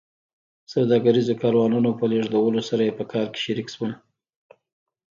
سوداګریزو کاروانونو په لېږدولو سره یې په کار کې شریک شول